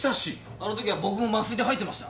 あの時は僕も麻酔で入ってました。